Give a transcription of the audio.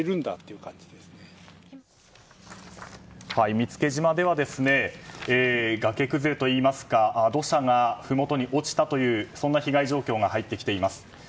見附島では崖崩れといいますか土砂がふもとに落ちたという被害情報が入ってきています。